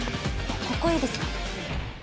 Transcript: ここいいですか？